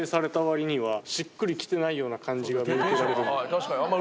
確かにあんまり。